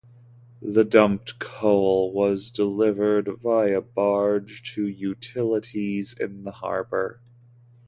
The dumped coal was delivered via barge to utilities in the harbor.